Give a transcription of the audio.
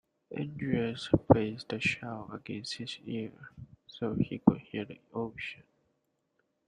Andreas placed the shell against his ear so he could hear the ocean.